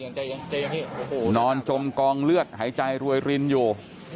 ใจเย็นใจเย็นนอนจมกองเลือดหายใจรวยลิ้นอยู่